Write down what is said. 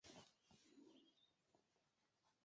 告别式后发引安厝于台北碧潭空军烈士公墓。